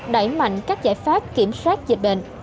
dành các giải pháp kiểm soát dịch bệnh